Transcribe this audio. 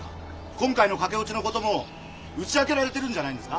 今回の駆け落ちの事も打ち明けられてるんじゃないんですか？